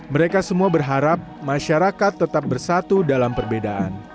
mereka semua berharap masyarakat tetap bersatu dalam perbedaan